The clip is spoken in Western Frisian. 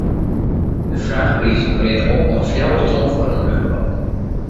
De fraachprizen rinne op oant de fjouwer ton foar in bungalow.